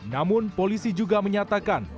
namun polisi juga menyatakan